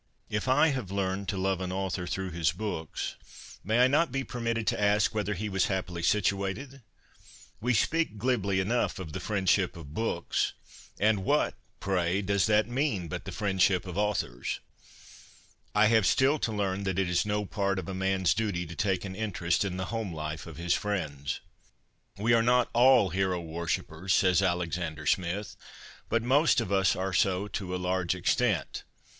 If I have learned to love an author through his books, may I not be permitted to ask whether he was happily situated ? We speak glibly enough of the ' friendship of books,' and what, pray, does that mean but the friendship of authors ? I have still 47 48 CONFESSIONS OF A BOOK LOVER to learn that it is no part of a man's duty to take an interest in the home life of his friends. ' We are not all hero worshippers,' says Alexander Smith, ' but most of us are so to a large extent.